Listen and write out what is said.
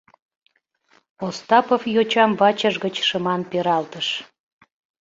— Остапов йочам вачыж гыч шыман пералтыш.